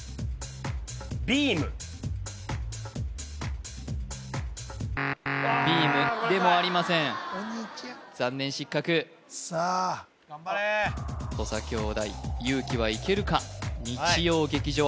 ビームでもありません残念失格さあ頑張れ土佐兄弟有輝はいけるかはい日曜劇場